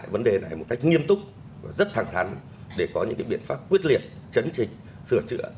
vấn đề này một cách nghiêm túc và rất thẳng thắn để có những biện pháp quyết liệt chấn chỉnh sửa chữa